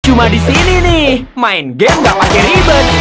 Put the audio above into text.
cuma disini nih main game gak pake ribet